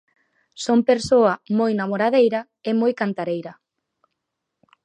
Son persoa moi namoradeira e moi cantareira.